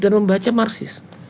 dan membaca marsis